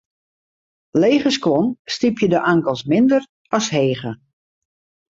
Lege skuon stypje de ankels minder as hege.